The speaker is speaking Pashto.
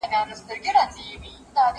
ايا ته قلم کاروې